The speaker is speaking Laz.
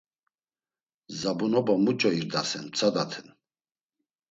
Zabunoba muç̌o irdasen ptsadaten.